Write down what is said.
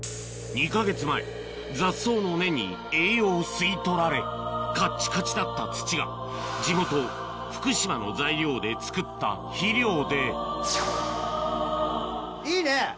２か月前雑草の根に栄養を吸い取られカッチカチだった土が地元福島の材料で作った肥料でいいね